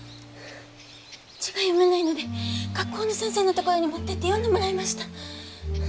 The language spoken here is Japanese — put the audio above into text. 字が読めないので学校の先生の所に持ってって読んでもらいました。